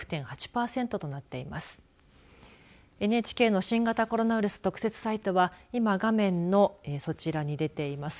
ＮＨＫの新型コロナウイルス特設サイトは今画面のそちらに出ています